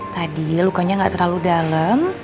tadi lukanya nggak terlalu dalam